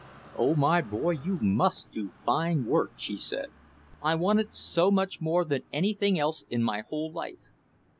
"Oh, my boy, you must do fine work," she said. "I want it so much more than anything else in my whole life.